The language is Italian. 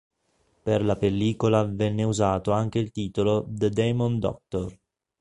Per la pellicola venne usato anche il titolo "The Demon Doctor".